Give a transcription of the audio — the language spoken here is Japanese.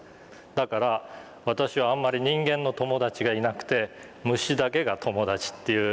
だから私はあんまり人間の友達がいなくて虫だけが友達っていう。